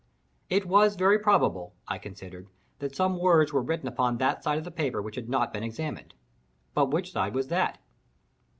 It was very probable, I considered, that some words were written upon that side of the paper which had not been examined—but which side was that?